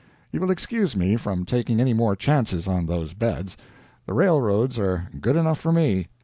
You will excuse me from taking any more chances on those beds. The railroads are good enough for me.